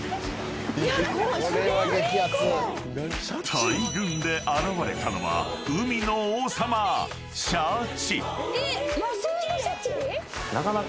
［大群で現れたのは海の王様シャチ］